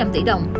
sáu tỷ đồng